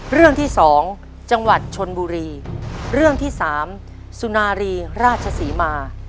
เรื่องที่สองจังหวัดชนบุรีเรื่องที่สามสุนารีราชศรีมา